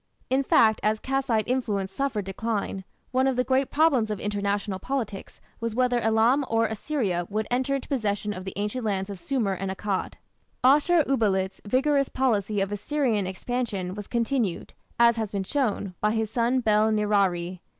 In fact, as Kassite influence suffered decline, one of the great problems of international politics was whether Elam or Assyria would enter into possession of the ancient lands of Sumer and Akkad. Ashur uballit's vigorous policy of Assyrian expansion was continued, as has been shown, by his son Bel nirari.